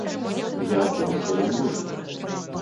Я аддаў свае грошы.